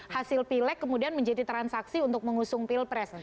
hasil pilek kemudian menjadi transaksi untuk mengusung pilpres